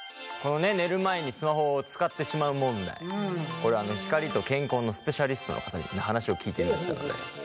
これは光と健康のスペシャリストの方にも話を聞いてみましたので。